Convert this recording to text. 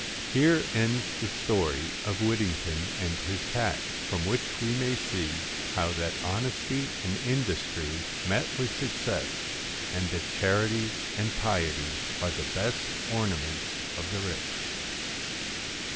Here ends the story of Whittington and his cat ; from which we may see how that honesty and industry met with success; and that charity and piety are the best ornaments of the rich.